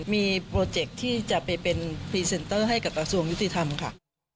มีโปรเจคที่จะไปเป็นพรีเซนเตอร์ให้กับกระทรวงยุติธรรมค่ะ